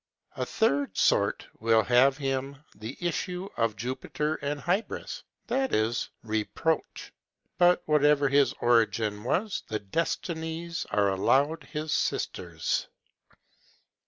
A third sort will have him the issue of Jupiter and Hybris, that is, Reproach. But whatever his origin was, the Destinies are allowed his sisters.